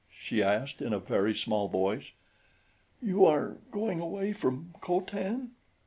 she asked in a very small voice. "You are going away from Co Tan?"